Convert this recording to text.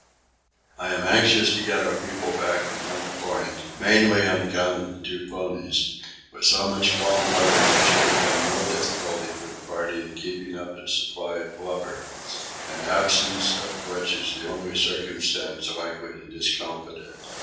I am anxious to get our people back from Hut Point, mainly on account of the two ponies; with so much calm weather there should have been no difficulty for the party in keeping up its supply of blubber; an absence of which is the only circumstance likely to discomfort it.